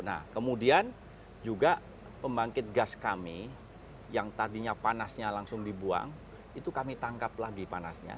nah kemudian juga pembangkit gas kami yang tadinya panasnya langsung dibuang itu kami tangkap lagi panasnya